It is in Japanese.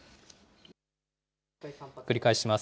繰り返します。